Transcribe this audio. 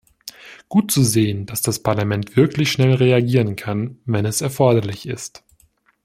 Gut zu sehen, dass das Parlament wirklich schnell reagieren kann, wenn es erforderlich ist.